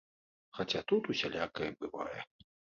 Хаця тут усялякае бывае.